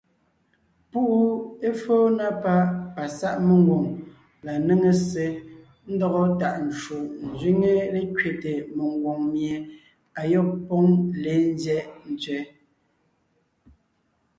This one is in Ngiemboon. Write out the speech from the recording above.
Púʼu éfóo na páʼ pasáʼ mengwòŋ la néŋe ssé ńdɔgɔ tàʼ ncwò ńzẅíŋe lékẅéte mengwòŋ mie ayɔ́b póŋ léen ńzyɛ́ʼ ntsẅɛ́.